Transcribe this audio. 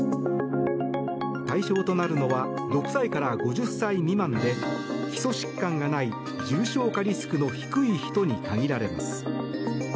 対象となるのは６歳から５０歳未満で基礎疾患がない重症化リスクの低い人に限られます。